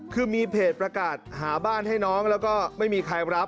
คือมีเพจประกาศหาบ้านให้น้องแล้วก็ไม่มีใครรับ